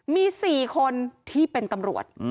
มี๔คนที่เป็นตำรวจ